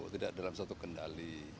tidak dalam suatu kendali